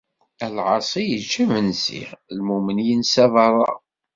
Lεaṣi yečča imensi, lmumen yensa berra.